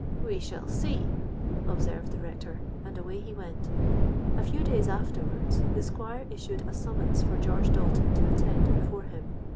'—'We shall see,' observed the Rector; and away he went. A few days afterwards the Squire issued a summons for George Dalton to attend before him.